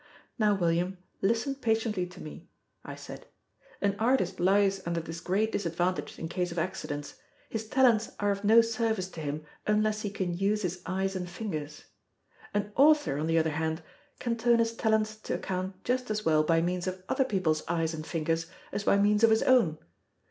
"Now, William, listen patiently to me," I said. "An artist lies under this great disadvantage in case of accidents his talents are of no service to him unless he can use his eyes and fingers. An author, on the other hand, can turn his talents to account just as well by means of other people's eyes and fingers as by means of his own.